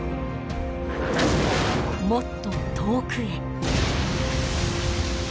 もっと遠くへ。